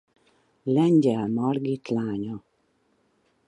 Lengyel Margit lánya.